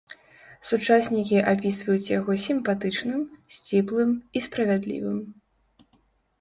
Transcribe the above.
Сучаснікі апісваюць яго сімпатычным, сціплым і справядлівым.